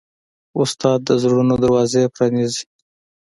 استاد د زړونو دروازه پرانیزي.